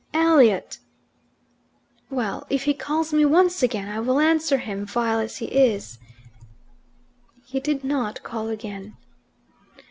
"Elliot!" "Well, if he calls me once again, I will answer him, vile as he is." He did not call again.